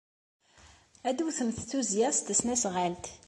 Ad d-tewtemt tuzzya s tesnasɣalt.